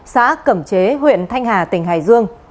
xã cẩm chế huyện thanh hà tỉnh hải dương